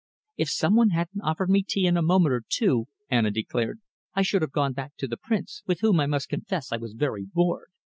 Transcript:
"If some one hadn't offered me tea in a moment or two," Anna declared, "I should have gone back to the Prince, with whom I must confess I was very bored.